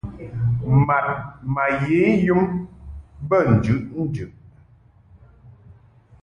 Mad ma ye yum be njɨʼnjɨʼ.